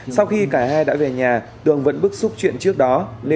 sau khi cả hai đã về nhà tường vẫn bức xúc chuyện trước đó